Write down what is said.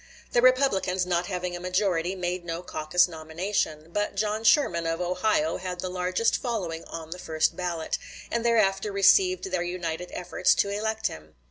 The Republicans, not having a majority, made no caucus nomination; but John Sherman, of Ohio, had the largest following on the first ballot, and thereafter received their united efforts to elect him.